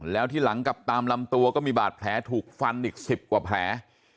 แล้วที่หลังกับตามลำตัวก็มีบาดแผลถูกฟันอีก๑๐กว่าแผล